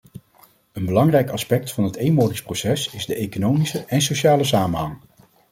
Een belangrijk aspect van het eenwordingsproces is de economische en sociale samenhang.